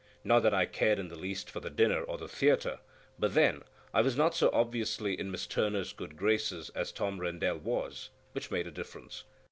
Not that I cared in the least for the dinner or the theatre; but then, I was not so obviously in Miss Turner's good graces as Tom Rendel was, which made a difference.